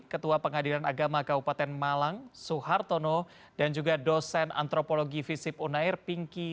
ketua pengadilan agama kabupaten malang suhartono dan juga dosen antropologi visip unair pinky